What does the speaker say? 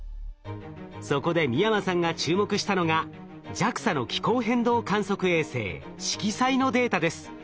そこで美山さんが注目したのがＪＡＸＡの気候変動観測衛星しきさいのデータです。